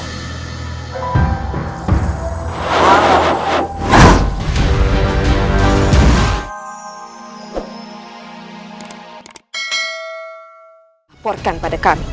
paporkan pada kami